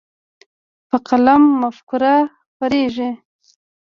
په قلم مفکوره خپرېږي.